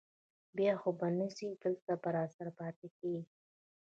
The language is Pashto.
بیا خو به نه ځې، تل به راسره پاتې کېږې؟